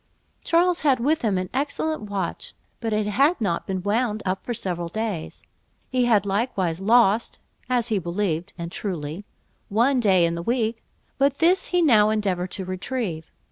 Charles had with him an excellent watch, but it had not been wound up for several days; he had likewise lost, as he believed (and truly), one day in the week; but this he now endeavoured to retrieve.